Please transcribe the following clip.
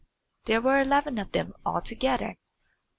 There were eleven of them altogether.